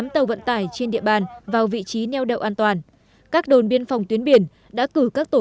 tám tàu vận tải trên địa bàn vào vị trí neo đậu an toàn các đồn biên phòng tuyến biển đã cử các tổ